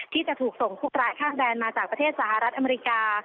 ที่จะถูกส่งผู้ร้ายข้ามแดนมาจากประเทศสหรัฐอเมริกา